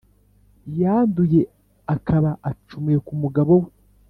yanduye akaba acumuye ku mugabo we